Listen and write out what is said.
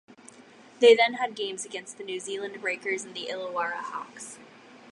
They then had games against the New Zealand Breakers and the Illawarra Hawks.